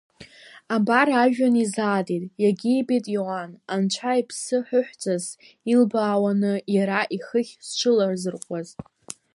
Абар, ажәҩан изаатит иагьибеит Иоанн Анцәа Иԥсы ҳәыҳәҵас илбаауаны Иара ихыхь зҽылазырҟәуаз.